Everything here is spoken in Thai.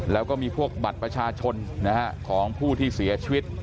แล้วก็มีพวกบัตรประชาชนของผู้ที่เสียชีวิต